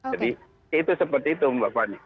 jadi itu seperti itu mbak fani